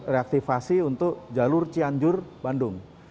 reaktivasi untuk jalur cianjur bandung